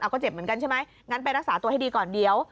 ก็เจ็บเหมือนกันใช่ไหมงั้นไปรักษาตัวให้ดีก่อนเดี๋ยว